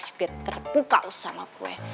juga terpukau sama gue